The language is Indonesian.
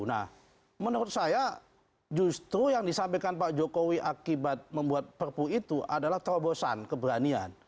nah menurut saya justru yang disampaikan pak jokowi akibat membuat perpu itu adalah terobosan keberanian